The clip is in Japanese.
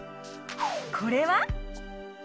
これは？